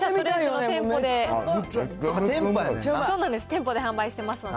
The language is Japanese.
店舗で販売していますので。